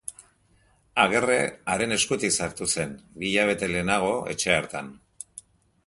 Agerre haren eskutik sartu zen, bi hilabete lehenago, etxe hartan.